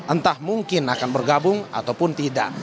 entah mungkin akan bergabung ataupun tidak